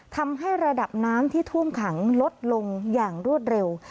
ทำให้ระดับน้ำที่ท่วมขังลดลงอย่างรวดเร็ว